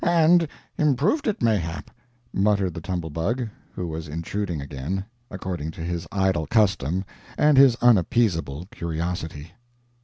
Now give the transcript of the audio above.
"And improved it, mayhap," muttered the Tumble Bug, who was intruding again, according to his idle custom and his unappeasable curiosity.